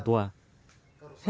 untuk semua orang tua